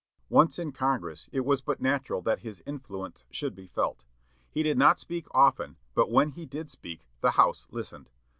Once in Congress, it was but natural that his influence should be felt. He did not speak often, but when he did speak the House listened.